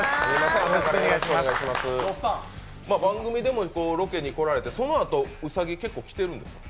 番組でもロケに来られてそのあと兎、結構来てるんですか？